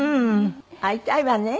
会いたいわね。